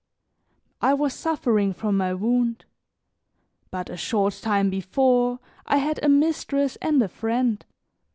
I was suffering from my wound. But a short time before I had a mistress and a friend.